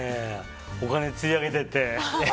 お金つり上げていって。